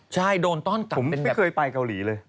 ใช่โดนต้อนกลับผมไม่เคยไปเกาหลีเลย